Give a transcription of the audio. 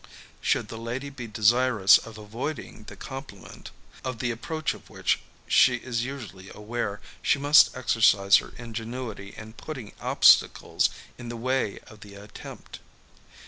Should the lady be desirous of avoiding the compliment, of the approach of which she is usually aware, she must exercise her ingenuity in putting obstacles in the way of the attempt.